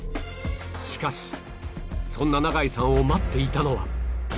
しかしそんな永井さんを待っていたのは